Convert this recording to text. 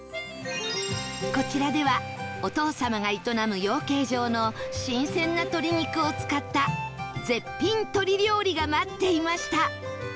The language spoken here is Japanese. こちらではお父様が営む養鶏場の新鮮な鶏肉を使った絶品鶏料理が待っていました